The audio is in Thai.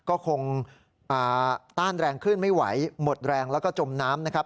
ก็คงต้านแรงขึ้นไม่ไหวหมดแรงแล้วก็จมน้ำนะครับ